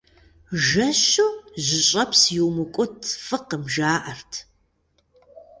Жэщу жьыщӀэпс иумыкӀут, фӀыкъым, жаӀэрт.